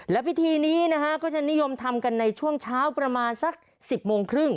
และพิธีนี้นะฮะก็จะนิยมทำกันในช่วงเช้าประมาณสัก๑๐โมงครึ่ง